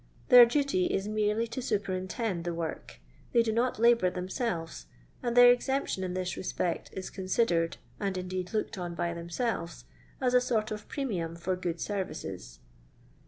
Their duty is merely to superintend the work. They do not labour themselves, and their exemption in this respect is considered, and indeed looked on by themselves, as a sort of premium for good services.